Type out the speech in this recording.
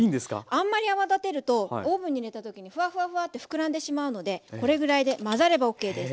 あんまり泡立てるとオーブンに入れた時にフワフワフワッて膨らんでしまうのでこれぐらいで混ざればＯＫです。